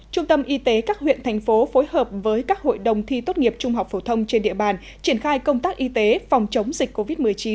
trung tâm y tế các huyện thành phố phối hợp với các hội đồng thi tốt nghiệp trung học phổ thông trên địa bàn triển khai công tác y tế phòng chống dịch covid một mươi chín